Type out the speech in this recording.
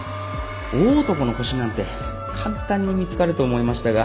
大男のホシなんて簡単に見つかると思いましたが。